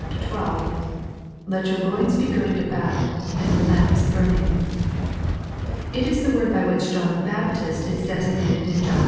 :" Let your loins be girded about, and your lamps burning." It is the word by which John the Bap tist is designated in John v.